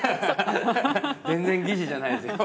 全然疑似じゃないですよ。